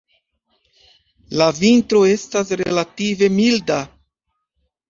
La vintro estas relative milda.